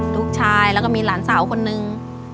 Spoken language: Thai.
ลูกชายแล้วก็มีหลานสาวคนนึง